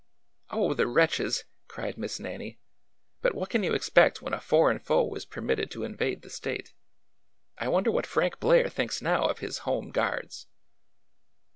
" Oh, the wretches! " cried Miss Nannie. " But what can you expect when a foreign foe is permitted to invade the State. I wonder what Frank Blair thinks now of his Home Guards